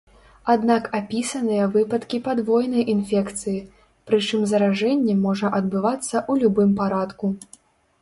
Аднак апісаныя выпадкі падвойнай інфекцыі, прычым заражэнне можа адбывацца ў любым парадку.